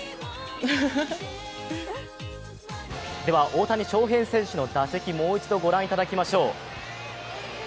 大谷翔平選手の打席、もう一度、御覧いただきましょう。